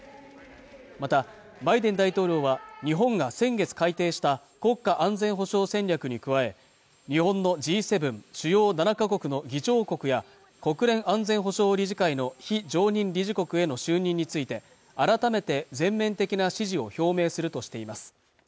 またバイデン大統領は日本が先月改定した国家安全保障戦略に加え日本のＧ７＝主要７か国の議長国や国連安全保障理事会の非常任理事国への就任について改めて全面的な支持を表明するとしています